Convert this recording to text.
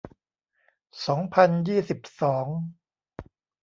สองพันยี่สิบสอง